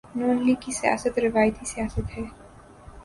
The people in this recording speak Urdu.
ن لیگ کی سیاست روایتی سیاست ہے۔